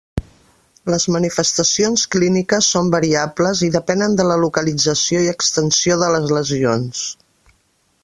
Les manifestacions clíniques són variables i depenen de la localització i extensió de les lesions.